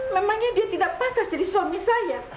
memangnya dia tidak pantas jadi suami saya